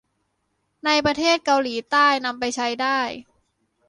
ในประเทศเกาหลีใต้นำไปใช้ได้